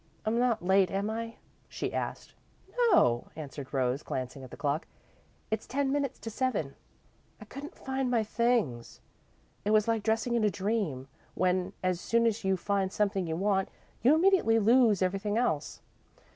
"I'm not late, am I?" she asked. "No," answered Rose, glancing at the clock. "It's ten minutes to seven." "I couldn't find my things. It was like dressing in a dream, when, as soon as you find something you want, you immediately lose everything else."